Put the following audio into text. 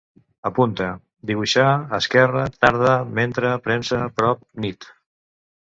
Apunta: dibuixar, esquerra, tarda, mentre, premsa, prop, nit